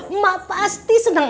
emak pasti seneng